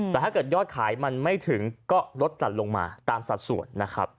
แต่ถ้าเกิดยอดขายไม่ถึงก็ลดตัดลงมาตามสัดส่วน